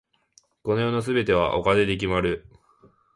この世の全てはお金で決まる。